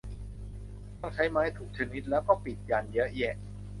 ต้องใช้ไม้ถูกชนิด แล้วก็ปิดยันต์เยอะแยะ